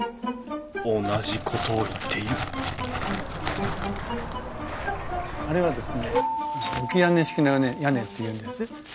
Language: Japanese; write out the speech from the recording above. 同じことを言っているあれはですね置き屋根式の屋根っていうんです。